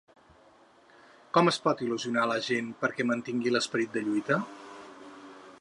Com es pot il·lusionar la gent perquè mantingui l’esperit de lluita?